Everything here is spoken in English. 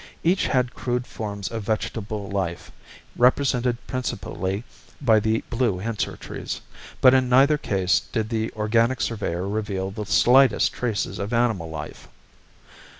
Each had crude forms of vegetable life, represented principally by the blue hensorr trees, but in neither case did the organic surveyor reveal the slightest traces of animal life.